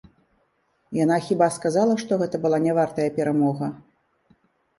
Яна хіба сказала, што гэта была нявартая перамога?